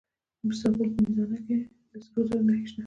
د زابل په میزانه کې د سرو زرو نښې شته.